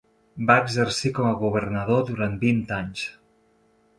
Va exercir com a governador durant vint anys.